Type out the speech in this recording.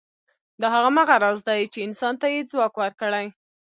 دا هماغه راز دی، چې انسان ته یې ځواک ورکړی.